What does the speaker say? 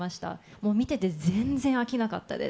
もう見てて全然飽きなかったです。